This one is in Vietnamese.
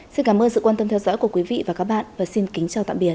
xin cảm ơn sự quan tâm theo dõi của quý vị và các bạn và xin kính chào tạm biệt